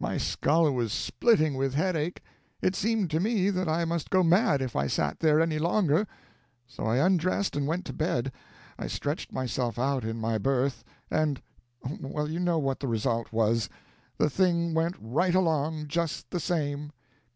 My skull was splitting with headache. It seemed to me that I must go mad if I sat there any longer; so I undressed and went to bed. I stretched myself out in my berth, and well, you know what the result was. The thing went right along, just the same.